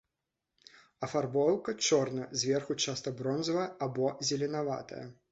Афарбоўка чорная, зверху часта бронзавая або зеленаватая.